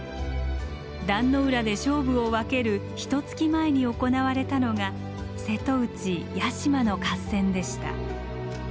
壇ノ浦で勝負を分けるひとつき前に行われたのが瀬戸内屋島の合戦でした。